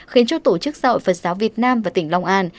khiến cho tổ chức giáo hội phật giáo việt nam và tỉnh long an